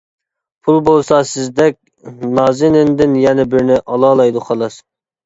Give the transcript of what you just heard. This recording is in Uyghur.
پۇل بولسا سىزدەك نازىنىندىن يەنە بىرنى ئالالايدۇ خالاس.